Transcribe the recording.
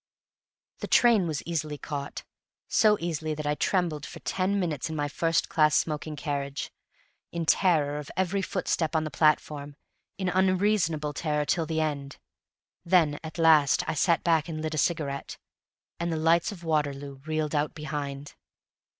The train was easily caught so easily that I trembled for ten minutes in my first class smoking carriage in terror of every footstep on the platform, in unreasonable terror till the end. Then at last I sat back and lit a cigarette, and the lights of Waterloo reeled out behind.